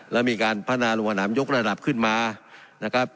แล้วมีการพัฒนาลงสนามยกระดับขึ้นมานะครับ